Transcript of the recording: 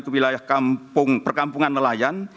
ke wilayah perkampungan nelayan